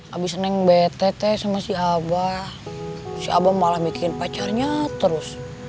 abis neng bete teh sama si abah si abah malah bikin pacarnya terus